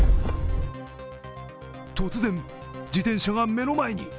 突然、自転車が目の前に。